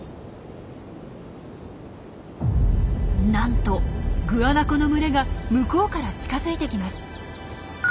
なんとグアナコの群れが向こうから近づいてきます。